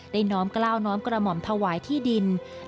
น้อมกล้าวน้อมกระหม่อมถวายที่ดิน